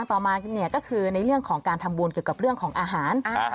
ต่อมาเนี่ยก็คือในเรื่องของการทำบุญเกี่ยวกับเรื่องของอาหาร